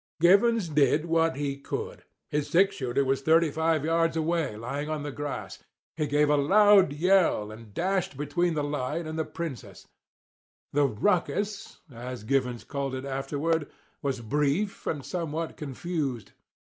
Givens did what he could. His six shooter was thirty five yards away lying on the grass. He gave a loud yell, and dashed between the lion and the princess. The "rucus," as Givens called it afterward, was brief and somewhat confused.